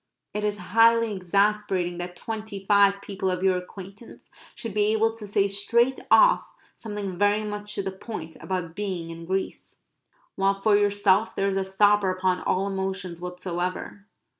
It is highly exasperating that twenty five people of your acquaintance should be able to say straight off something very much to the point about being in Greece, while for yourself there is a stopper upon all emotions whatsoever.